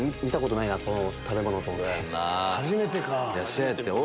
見たことないなこの食べ物と思って。